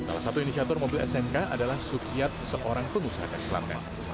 salah satu inisiator mobil smk adalah sukiat seorang pengusaha dari klaten